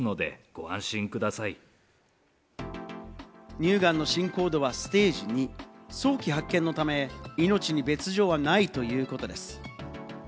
乳がんの進行度はステージ２、早期発見のため、命に別条はないということです。